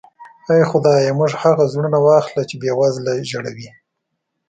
اې خدایه موږ هغه زړونه واخله چې بې وزله ژړوي.